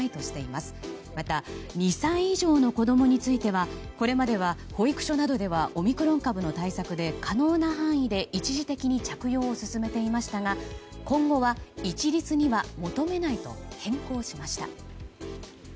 また、２歳以上の子供についてはこれまで保育所などではオミクロン株の対策で可能な範囲で一時的に着用を奨めていましたが今後は、一律には求めないと変更しました。